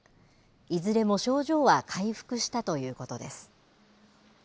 いずれも症状は回復したということです。